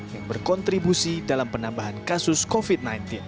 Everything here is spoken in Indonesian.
yang berkontribusi dalam penambahan kasus covid sembilan belas